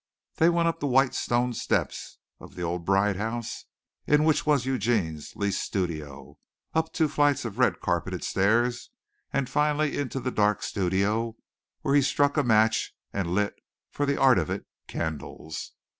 They went up the white stone steps of the old Bride house in which was Eugene's leased studio, up two flights of red carpeted stairs and finally into the dark studio where he struck a match and lit, for the art of it, candles.